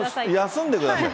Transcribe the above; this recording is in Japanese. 休んでください。